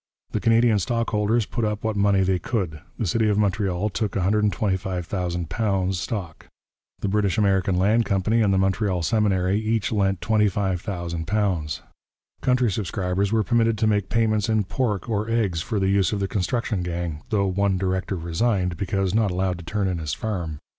The Canadian stockholders put up what money they could. The city of Montreal took £125,000 stock. The British American Land Company and the Montreal Seminary each lent £25,000. Country subscribers were permitted to make payments in pork or eggs for the use of the construction gang, though one director resigned because not allowed to turn in his farm.